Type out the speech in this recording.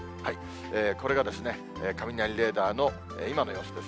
これが雷レーダーの今の様子です。